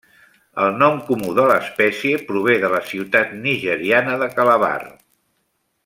El nom comú de l'espècie prové de la ciutat nigeriana de Calabar.